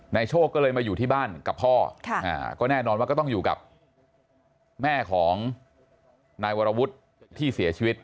โชคก็เลยมาอยู่ที่บ้านกับพ่อก็แน่นอนว่าก็ต้องอยู่กับแม่ของนายวรวุฒิที่เสียชีวิต